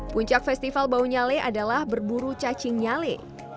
puncak festival baunya le adalah berburu cacing nyale